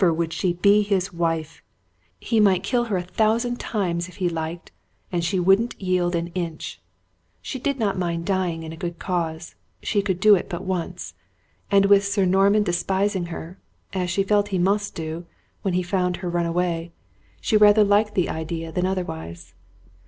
would she be his wife! He might kill her a thousand times, if he liked, and she wouldn't yield an inch. She did not mind dying in a good cause; she could do it but once. And with Sir Norman despising her, as she felt he must do, when he found her run away, she rather liked the idea than otherwise.